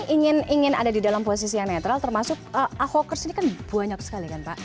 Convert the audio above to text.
ingin ada di dalam posisi yang netral termasuk ahokers ini kan banyak sekali kan pak